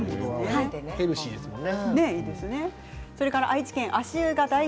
ヘルシーですしね。